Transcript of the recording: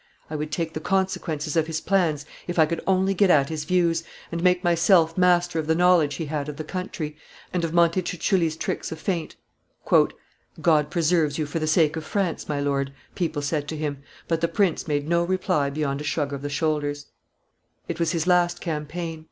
"I would take the consequences of his plans if I could only get at his views, and make myself master of the knowledge he had of the country, and of Montecuculli's tricks of feint." "God preserves you for the sake of France, my lord," people said to him; but the prince made no reply beyond a shrug of the shoulders. [Illustration: TURENNE. 444] It was his last campaign.